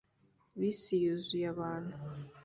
Bisi yuzuye abantu